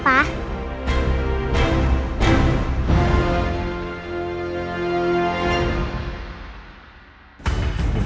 tidak ada apa apa